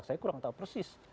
saya kurang tahu persis